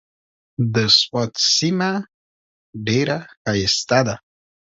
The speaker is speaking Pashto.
د سوات سيمه ډېره ښايسته ده۔